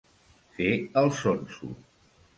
Fer el sonso.